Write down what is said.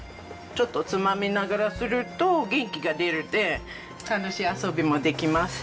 ちょっとつまみながらすると元気が出るので楽しい遊びもできます。